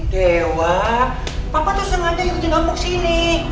dewa papa tuh sengaja ikutin kamu kesini